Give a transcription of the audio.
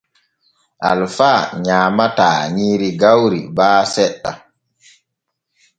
Alfa nyaamataa nyiiri gawri baa seɗɗa.